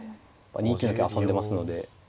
２九の桂は遊んでますので。